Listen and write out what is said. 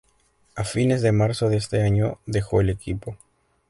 A fines de marzo de ese año dejó el equipo.